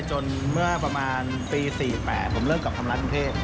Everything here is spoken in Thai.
จนเมื่อประมาณปี๔๘ผมเลิกกลับทำร้านกรุงเทพ